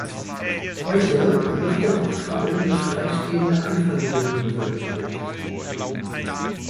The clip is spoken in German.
Heute wird der Ort vor allem durch freistehende Einfamilienhäuser geprägt.